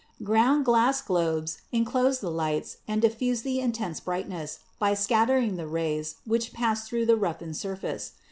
Ground glass globes enclose the lights and diffuse the intense brightness by scattering the rays which pass through the roughened surface.